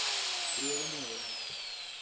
Riego moderado.